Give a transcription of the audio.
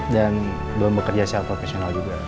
dan belum bekerja self professional juga